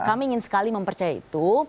kami ingin sekali mempercaya itu